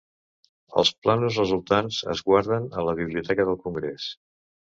Els plànols resultants es guarden a la Biblioteca del Congrés.